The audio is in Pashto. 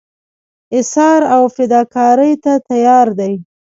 ایثار او فداکارۍ ته تیار دي.